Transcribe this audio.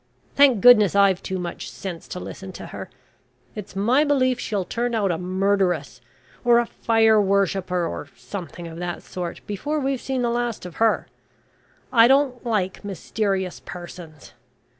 Thank goodness I've too much sense to listen to her. It's my belief she'll turn out a murderess, or a fire worshipper, or something of that sort before we've seen the last of her. I don't like mysterious persons!